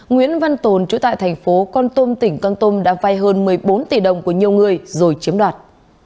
nguyễn văn tồn chú tài thành phố con tôm tỉnh con tôm đã vai hơn một mươi bốn tỷ đồng của nhiều người rồi chiếm đoạt